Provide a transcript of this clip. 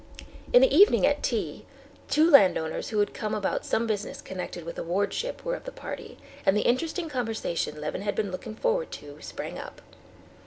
In the evening at tea, two landowners who had come about some business connected with a wardship were of the party, and the interesting conversation Levin had been looking forward to sprang up.